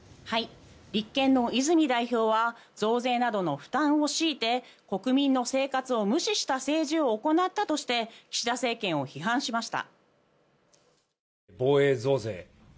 立憲の泉代表は増税などの負担を強いて国民の生活を無視した政治を行ったとして岸田政権を批判しました。